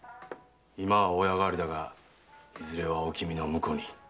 今は親代わりだがいずれはおきみの婿に。